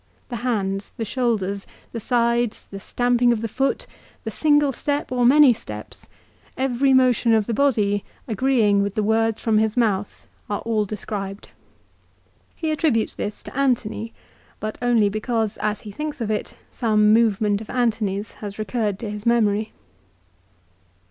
The hands, the shoulders, the sides, the stamping of the foot, the single step or many steps, every motion of the body agreeing with the words from his mouth are all described. 1 He attributes this to Antony, but only because, as he thinks of it, some movement of Antony's has recurred to his memory.